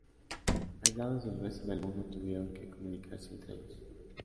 Aislados del resto del mundo, tuvieron que comunicarse entre ellos.